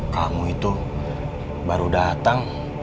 kamu itu baru datang